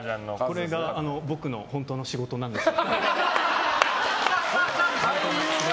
これが僕の本当の仕事なんですよ。